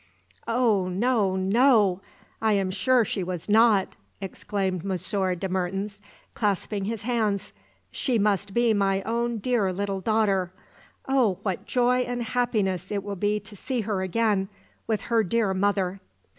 "Oh, no, no, I am sure she was not!" exclaimed Monsieur de Mertens, clasping his hands. "She must be my own dear little daughter! Oh, what joy and happiness it will be to see her again with her dear mother."